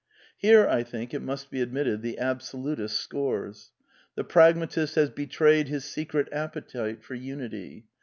Here, I think, it must be admitted, the absolutist scores. The pragmatist has betrayed his secret appetite for unity.